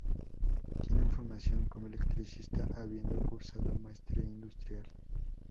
Tiene formación como electricista, habiendo cursado maestría industrial.